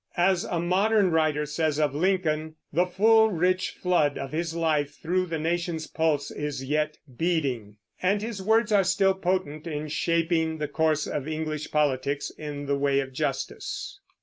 As a modern writer says of Lincoln, "The full, rich flood of his life through the nation's pulse is yet beating"; and his words are still potent in shaping the course of English politics in the way of justice.